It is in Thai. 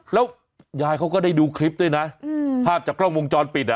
แล้วยายเขาก็ได้ดูคลิปด้วยนะภาพจากกล้องวงจรปิดอ่ะ